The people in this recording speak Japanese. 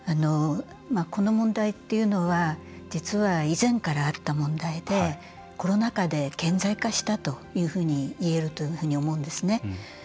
この問題っていうのは実は以前からあった問題でコロナ禍で顕在化したというふうにいえるというふうに思うんですね。